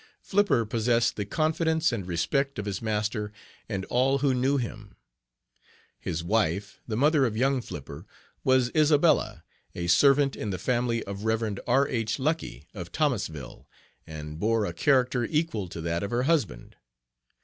Flipper possessed the confidence and respect of his master and all who knew him. His wife, the mother of young Flipper, was Isabella, a servant in the family of Rev. R. H. Lucky, of Thomasville, and bore a character equal to that of her husband.